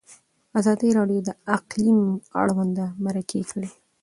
ازادي راډیو د اقلیم اړوند مرکې کړي.